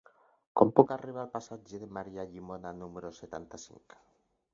Com puc arribar al passatge de Maria Llimona número setanta-cinc?